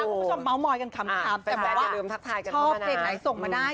คุณผู้ชมเม้ามอยกันคำแต่ว่าช่องเพลงไหนส่งมาได้